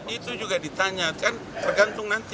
itu juga ditanya kan tergantung nanti